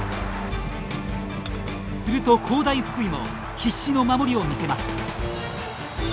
すると工大福井も必死の守りを見せます。